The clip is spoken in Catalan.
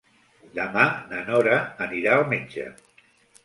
Demà na Nora anirà al metge.